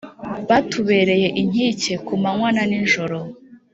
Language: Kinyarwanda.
Batubereye inkike ku manywa na nijoro